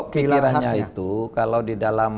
pikirannya itu kalau di dalam